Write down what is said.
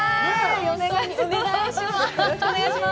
お願いします。